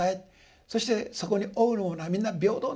そしてそこに生うるものはみんな平等なんだと。